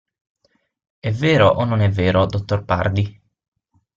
È vero o non è vero, dottor Pardi?